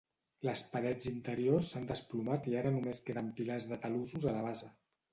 Les parets interiors s'han desplomat i ara només queden pilars de talussos a la base.